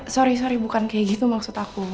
sorry sorry bukan kayak gitu maksud aku